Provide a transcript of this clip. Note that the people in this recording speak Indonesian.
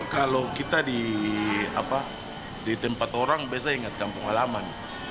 kalau kita di tempat orang biasanya ingat kampung halaman